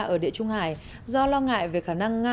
ở địa trung hải do lo ngại về khả năng nga